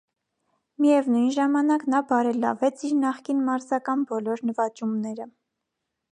Միևնույն ժամանակ նա բարելավվեց իր նախկին մարզական բոլոր նվաճումները։